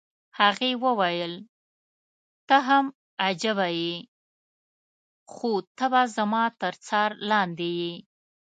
هغې وویل: ته هم عجبه يې، خو ته به زما تر څار لاندې یې.